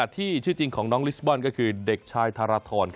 ที่ชื่อจริงของน้องลิสบอลก็คือเด็กชายธารทร